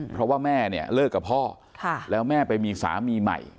เพราะว่าแม่เนี่ยเลิกกับพ่อแล้วแม่ไปมีสามีใหม่